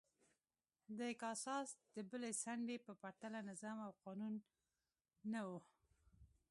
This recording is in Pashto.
د کاساس د بلې څنډې په پرتله نظم او قانون نه و